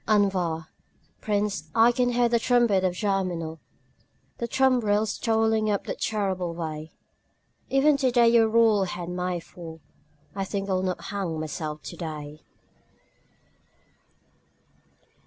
Envoi Prince, I can hear the trumpet of Germinal, The tumbrils toiling up the terrible way; Even today your royal head may fall I think I will not hang myself today.